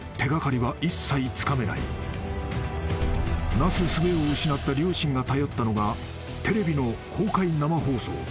［なすすべを失った両親が頼ったのがテレビの公開生放送］